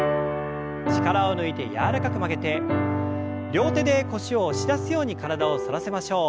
力を抜いて柔らかく曲げて両手で腰を押し出すように体を反らせましょう。